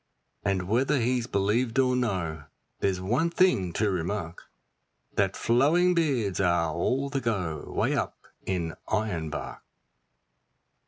And whether he's believed or no, there's one thing to remark, That flowing beards are all the go way up in Ironbark.